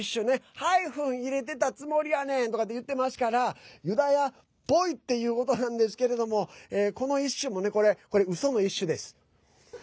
ハイフン入れてたつもりやねん！とかって言ってますからユダヤっぽいっていうことなんですけれどもこのイッシュもうそのイッシュです。